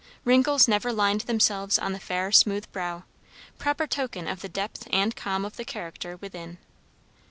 Wrinkles never lined themselves on the fair smooth brow; proper token of the depth and calm of the character within.